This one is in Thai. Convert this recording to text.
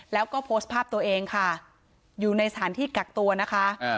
แล้วก็โพสต์ภาพตัวเองค่ะอยู่ในสถานที่กักตัวนะคะ